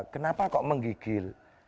kenapa kok menggigil